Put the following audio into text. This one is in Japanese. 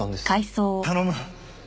頼む。